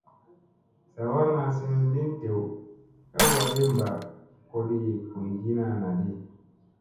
Zawaarna sinim lin dew ka wagii mɓa koɗii guygiina naa di.